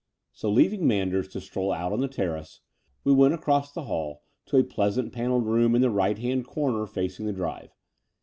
So leaving Manders to stroll out on the terrace, we went across the hall to a pleasant panelled room in the right hand comer facing the drive.